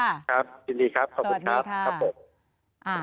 ครับยินดีครับขอบคุณครับ